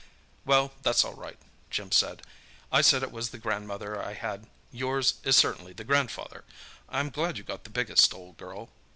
"Well, that's all right," Jim said. "I said it was the grandmother I had—yours is certainly the grandfather! I'm glad you got the biggest, old girl."